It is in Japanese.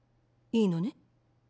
いいのね？